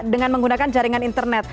dengan menggunakan jaringan internet